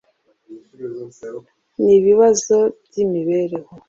n ibibazo by imibereho